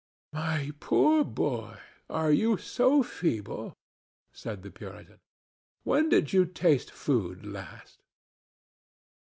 "My poor boy, are you so feeble?" said the Puritan. "When did you taste food last?"